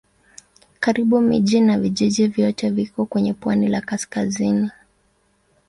Karibu miji na vijiji vyote viko kwenye pwani la kaskazini.